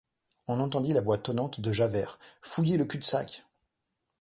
On entendit la voix tonnante de Javert :— Fouillez le cul-de-sac !